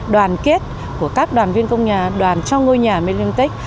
đoàn kết của các đoàn viên công nhà đoàn trong ngôi nhà made in atlantic